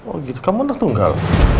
oh gitu kamu udah tunggal